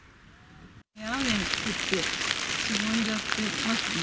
雨が降って、しぼんじゃってますね。